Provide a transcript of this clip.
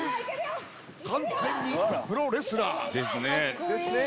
完全にプロレスラー！ですね。